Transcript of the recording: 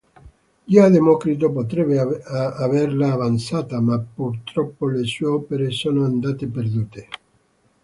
Già Democrito potrebbe averla avanzata, ma purtroppo le sue opere sono andate perdute.